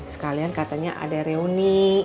sekalian katanya ada reuni